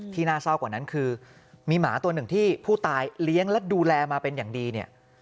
น่าเศร้ากว่านั้นคือมีหมาตัวหนึ่งที่ผู้ตายเลี้ยงและดูแลมาเป็นอย่างดีเนี่ย